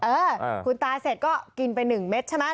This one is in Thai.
เออคุณตายเสร็จก็กินไป๑เม็ดใช่ไหม